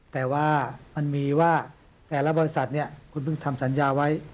แต่ว่ามันมีว่าแต่ละบริษัทคุณเพิ่งทำสัญญาไว้